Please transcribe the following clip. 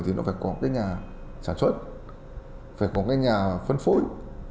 thì nó phải có cái nhà sản xuất phải có cái nhà phân phối